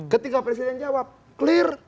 ketika presiden jawab clear